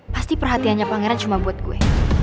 pasti perhatiannya pangeran cuma buat gue